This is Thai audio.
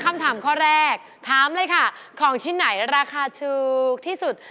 คำถามข้อแรกถามเลยค่ะของชิ้นไหนราคาถูกที่สุด